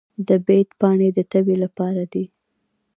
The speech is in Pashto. د بید پاڼې د تبې لپاره دي.